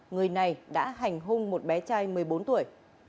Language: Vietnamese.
người này đã hành hung một bé trai một mươi bốn tuổi